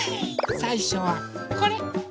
さいしょはこれ。